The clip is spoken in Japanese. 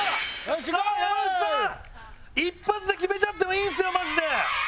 山内さん一発で決めちゃってもいいんですよマジで。